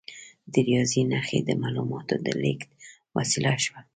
د ریاضي نښې د معلوماتو د لیږد وسیله شوه.